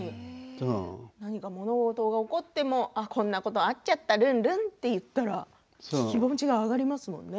何か物事が起こってもこんなことがあっちゃったルンルン、って言ったら気持ちが上がりますね。